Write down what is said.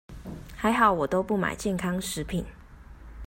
還好我都不買健康食品